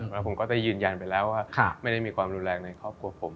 แล้วผมก็ได้ยืนยันไปแล้วว่าไม่ได้มีความรุนแรงในครอบครัวผม